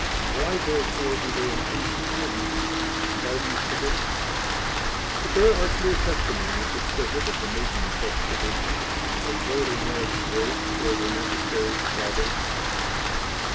Why, therefore, do they increase sins by these traditions? 43 But there are clear testimonies which prohibit the making of such traditions, as though they merited grace or were necessary to 44 salvation.